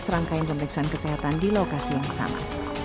serangkaian pemeriksaan kesehatan di lokasi yang sama